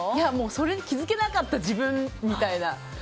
それに気付けなかった自分みたいな。